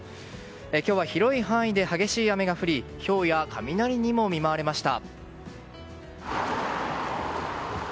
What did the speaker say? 今日は広い範囲で激しい雨が降りひょうや雷にも見舞われました。